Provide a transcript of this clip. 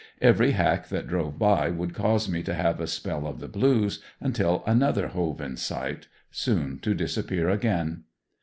Every hack that drove by would cause me to have a spell of the blues, until another hove in sight soon to disappear again.